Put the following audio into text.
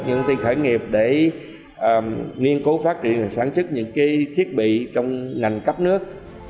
những công ty khởi nghiệp để nghiên cố phát triển và sáng chức những cái thiết bị trong ngành cấp nước